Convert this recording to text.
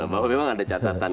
bahwa memang ada catatan